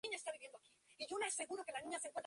Sin embargo, ninguno de esos pesos pesados lo apoyó.